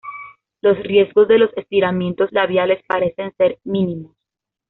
Los riesgos de los estiramientos labiales parecen ser mínimos.